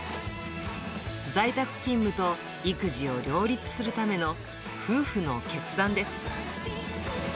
在宅勤務と育児を両立するための夫婦の決断です。